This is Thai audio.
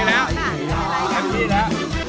ทำดีแล้ว